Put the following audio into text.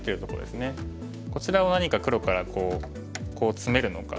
こちらを何か黒からこうツメるのか